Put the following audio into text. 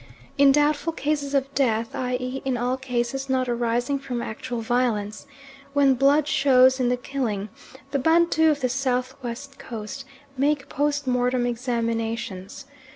In doubtful cases of death, i.e. in all cases not arising from actual violence, when blood shows in the killing, the Bantu of the S.W. Coast make post mortem examinations.